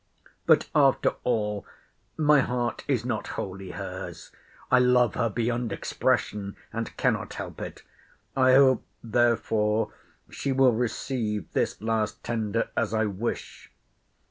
But, after all, my heart is not wholly her's. I love her beyond expression; and cannot help it. I hope therefore she will receive this last tender as I wish.